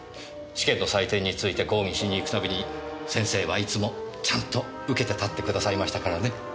試験の採点について抗議しに行くたびに先生はいつもちゃんと受けて立ってくださいましたからね。